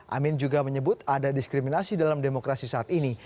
amin juga menyebut ada diskriminasi dalam demokrasi saat ini